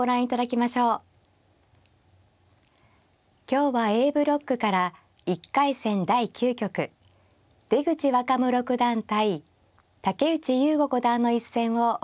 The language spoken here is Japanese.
今日はＡブロックから１回戦第９局出口若武六段対竹内雄悟五段の一戦をお送りいたします。